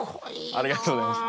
ありがとうございます。